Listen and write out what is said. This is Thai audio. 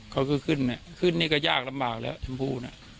เขาก็ขึ้นขึ้นนี่ก็ยากลำบากแล้วชมพู่น่ะ